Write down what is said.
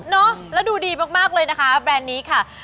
เนอะแล้วดูดีมากเลยนะคะแบรนด์นี้ค่ะ